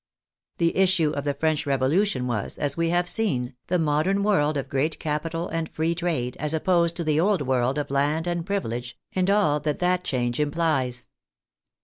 The issue of the French Revolution was, as we have seen, the modern world of great capital and free trade, as opposed to the old world of land and privilege and all that that change implies.